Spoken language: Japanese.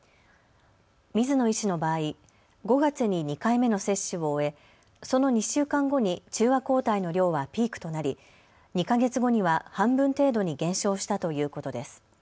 水野医師の場合、５月に２回目の接種を終えその２週間後に中和抗体の量はピークとなり２か月後には半分程度に減少したということです。